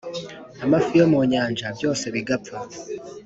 amafi yo mu nyanja, byose bigapfa.